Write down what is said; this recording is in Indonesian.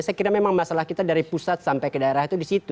saya kira memang masalah kita dari pusat sampai ke daerah itu di situ